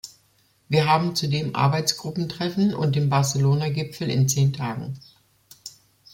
Wir haben zudem Arbeitsgruppentreffen und den Barcelona-Gipfel in zehn Tagen.